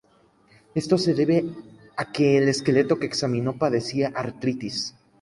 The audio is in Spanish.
Esto se debe a que el esqueleto que examinó padecía artritis.